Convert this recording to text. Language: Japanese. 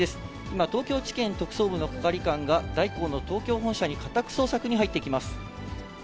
今、東京地検特捜部の係官が、大広の東京本社に家宅捜索に入っていきます。